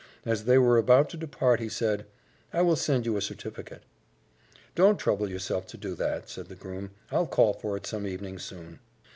As they were about to depart he said, "I will send you a certificate." "Don't trouble yourself to do that," said the groom. "I'll call for it some evening soon."